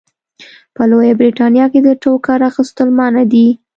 په لویه برېتانیا کې د ټوکر اغوستل منع دي.